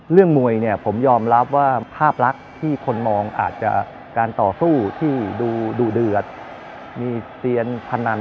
เรื่องมวยเนี่ยผมยอมรับว่าภาพลักษณ์ที่คนมองอาจจะการต่อสู้ที่ดูเดือดมีเตียนพนัน